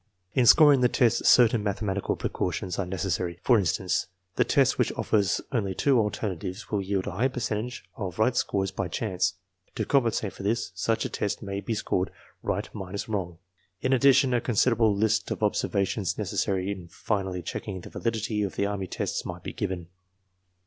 In scoring the tests certain mathematical precautions are necessary. For instance, the test which offers only two altoma MAKING THE TESTS 7 tives will yield a high percentage of right scores by chance. To compensate for this, such a test may be scored "right ^inus | wrong." In addition, a considerable list of observations neces | sary in finally checking the validity of the army tests might be given.